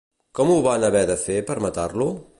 Com ho van haver de fer per matar-lo?